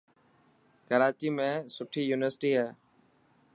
ڪراچي ۾ سٺي يونيورسٽي هي.